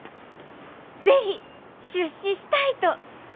是非出資したいと！